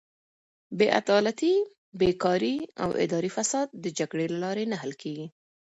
بېعدالتي، بېکاري او اداري فساد د جګړې له لارې نه حل کیږي.